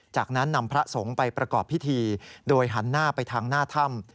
จากนั้นนำพระสงฆ์ไปประกอบพิธีโดยหันหน้าไปทางหน้าถ้ำ